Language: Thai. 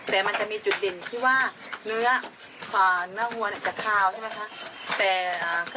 แต่มันจะมีจุดเด่นที่ว่าเนื้อเนื้อวัวจะคาวใช่ไหมคะ